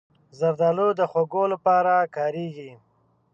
زردالو د خوږو لپاره کارېږي.